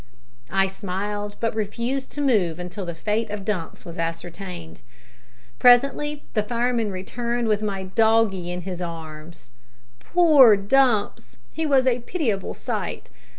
I smiled, but refused to move until the fate of Dumps was ascertained. Presently the fireman returned with my doggie in his arms. Poor Dumps! He was a pitiable sight.